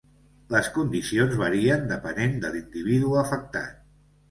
Les condicions varien depenent de l'individu afectat.